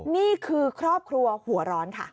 นี่คือครอบครัวหัวร้อนค่ะ